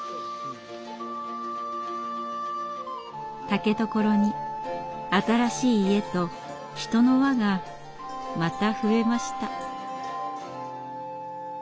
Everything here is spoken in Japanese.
竹所に新しい家と人の輪がまた増えました。